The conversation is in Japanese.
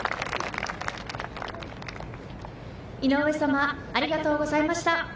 井上様、ありがとうございました。